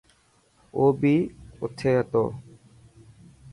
او بي اٿي هتو.